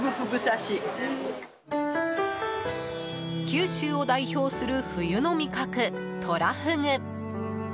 九州を代表する冬の味覚トラフグ。